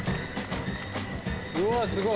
うわすごい。